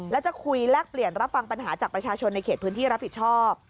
และจะคุยแลกเปลี่ยนรับฟังปัญหาจากประชาชนในเขตพื้นที่รับผิดชอบ